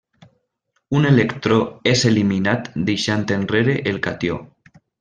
Un electró és eliminat deixant enrere el catió.